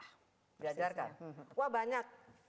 diajarkan wah banyak